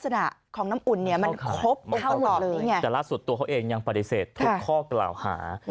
แต่ล่าสุดตัวเขาเองยังปฏิเสธทุกข้อเกล่าหา